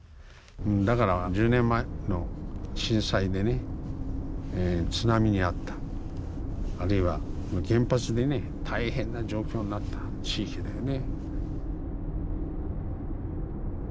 だから１０年前の震災でね津波に遭ったあるいは原発でね大変な状況になった地域だよね。